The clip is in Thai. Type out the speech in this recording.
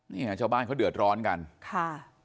เนี่ยชาวบ้านเขาเดือดร้อนกันค่ะ